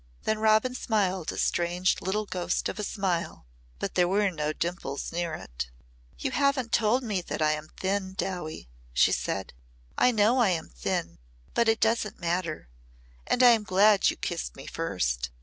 Then Robin smiled a strange little ghost of a smile but there were no dimples near it. "You haven't told me that I am thin, Dowie," she said. "I know I am thin, but it doesn't matter. And I am glad you kissed me first.